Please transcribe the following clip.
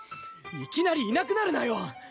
いきなりいなくなるなよ